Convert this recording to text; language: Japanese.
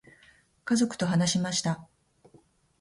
家族と話しました。